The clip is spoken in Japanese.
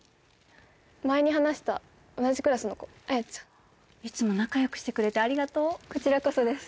前に話した同じクラスの子彩ちゃんいつも仲よくしてくれてありがとうこちらこそです